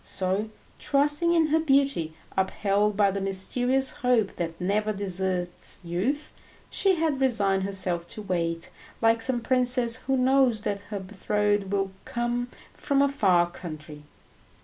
So, trusting in her beauty, upheld by the mysterious hope that never deserts youth, she had resigned herself to wait, like some princess who knows that her betrothed will come from a far country.